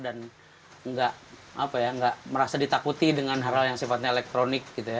dan gak merasa ditakuti dengan hal hal yang sifatnya elektronik